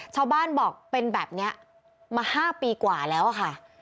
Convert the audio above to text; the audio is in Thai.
ชาวบ้านบอกเป็นแบบนี้มา๕ปีกว่าแล้วค่ะ